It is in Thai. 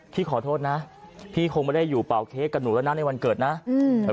พี่ขอโทษนะพี่คงไม่ได้อยู่เป่าเค้กกับหนูแล้วนะในวันเกิดนะอืม